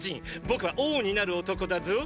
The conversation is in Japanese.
僕は王になる男だぞ。